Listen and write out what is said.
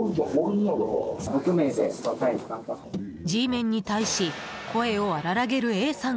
Ｇメンに対し声を荒らげるＡさん